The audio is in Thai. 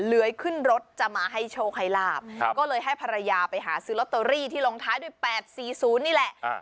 เหลือยขึ้นรถจะมาให้โชว์ใครลาบครับก็เลยให้ภรรยาไปหาซื้อล็อตเตอรี่ที่ลงท้ายด้วยแปดสี่ศูนย์นี่แหละอ่า